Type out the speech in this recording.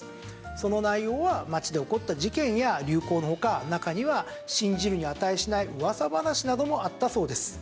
その内容は街で起こった事件や流行のほか中には信じるに値しないうわさ話などもあったそうです。